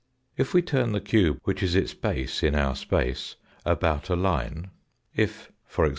If we turn the cube which is its base in our space about a line, if, e.g.